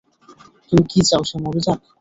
তুমি কি চাও সে মরে যাক?